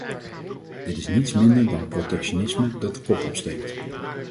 Dit is niets minder dan protectionisme dat de kop opsteekt.